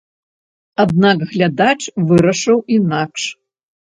Аднак глядач вырашыў інакш.